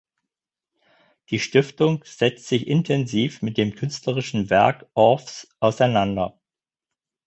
Die Stiftung setzt sich intensiv mit dem künstlerischen Werk Orffs auseinander.